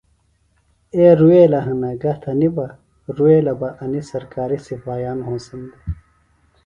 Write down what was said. اے رُویلے ہنہ گہ تھنیۡ بہ، رُویلے بہ انیۡ سرکاریۡ سِپاہیان ھونسن دےۡ